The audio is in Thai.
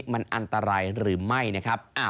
มันอันตรายหรือไม่นะครับ